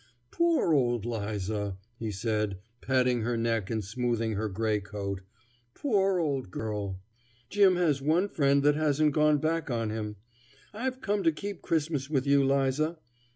"Poor old 'Liza!" he said, patting her neck and smoothing her gray coat, "poor old girl! Jim has one friend that hasn't gone back on him. I've come to keep Christmas with you, 'Liza!